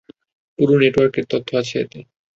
পুরো নেটওয়ার্কের তথ্য আছে এতে।